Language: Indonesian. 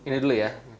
ini dulu ya